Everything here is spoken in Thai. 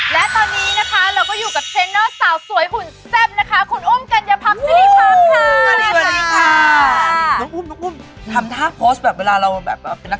และตอนนี้นะคะเราก็อยู่กับเทรเนอร์สาวสวยหุ่นแซ่บนะคะ